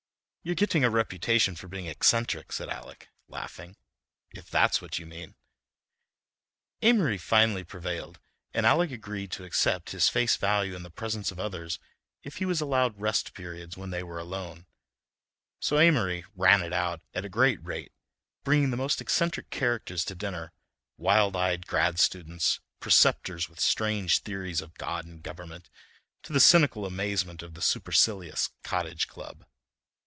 "You're getting a reputation for being eccentric," said Alec, laughing, "if that's what you mean." Amory finally prevailed, and Alec agreed to accept his face value in the presence of others if he was allowed rest periods when they were alone; so Amory "ran it out" at a great rate, bringing the most eccentric characters to dinner, wild eyed grad students, preceptors with strange theories of God and government, to the cynical amazement of the supercilious Cottage Club.